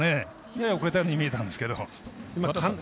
やや遅れたように見えたんですけど。